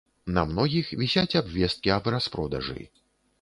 На многіх вісяць абвесткі аб распродажы.